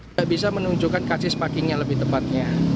tidak bisa menunjukkan kasi spaking yang lebih tepatnya